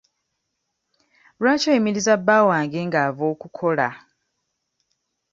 Lwaki oyimiriza bba wange nga ava okukola?